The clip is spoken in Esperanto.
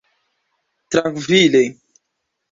trankvile